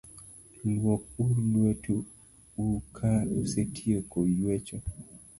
Lwok uru lwet u ka usetieko ywecho